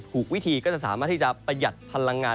วิธีก็จะสามารถที่จะประหยัดพลังงาน